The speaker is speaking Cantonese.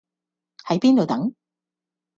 喺邊度等